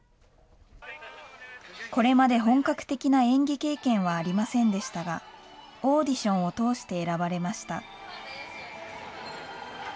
これまで本格的な演技経験はありませんでしたが、オーディションを通して選ばれました。